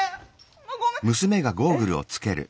もうごめんえ？